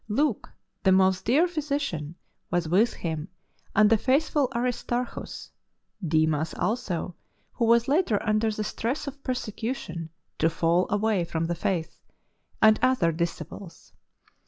Luke, the " most dear physician," was with him, and the faithful Aristarchus; Demas also, who w'as later, under the stress of persecution, to fall away from the faith, and other dis ciples.